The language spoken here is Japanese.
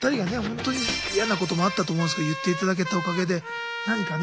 ほんとに嫌なこともあったと思うんですけど言って頂けたおかげで何かね。